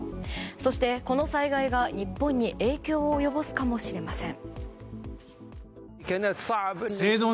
そして、この災害が日本に影響を及ぼすかもしれません。